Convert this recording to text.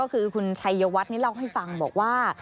คุณชัยยวัฒน์เล่าให้ฟังบอกว่า